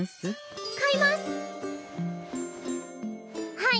はい。